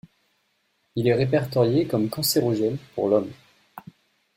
Il est répertorié comme cancérogène pour l'homme.